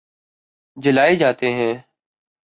جلائے جاتے ہیں